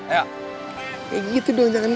ya gitu dong jangan lupa